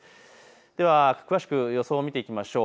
では詳しく予想を見ていきましょう。